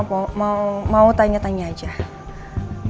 kalau ada foto mainkan sekali itu jelas